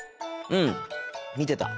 うん見てた。